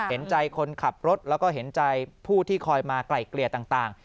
เห็นใจคนขับรถแล้วก็เห็นใจผู้ที่คอยมาไกล่เกลี่ยต่าง